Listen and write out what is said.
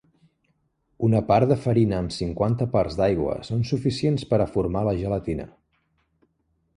Una part de farina amb cinquanta parts d'aigua són suficients per a formar la gelatina.